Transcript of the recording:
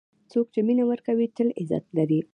څوک چې مینه ورکوي، تل عزت لري.